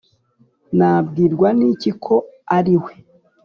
nabwirwa n'iki ko ari we?